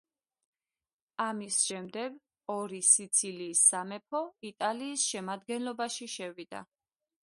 ამის შემდეგ, ორი სიცილიის სამეფო იტალიის შემადგენლობაში შევიდა.